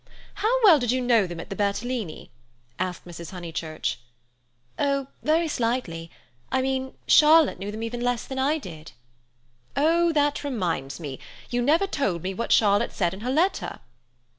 "How well did you know them at the Bertolini?" asked Mrs. Honeychurch. "Oh, very slightly. I mean, Charlotte knew them even less than I did." "Oh, that reminds me—you never told me what Charlotte said in her letter."